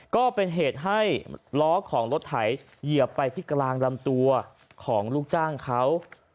ก็เป็นเหตุให้ล้อของรถไถเหยียบไปที่กลางลำตัวของลูกจ้างเขา